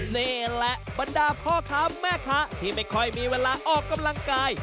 นี่แหละบรรดาพ่อค้าแม่ค้าที่ไม่ค่อยมีเวลาออกกำลังกาย